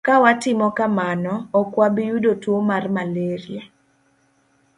Ka watimo kamano, ok wabi yudo tuo mar malaria.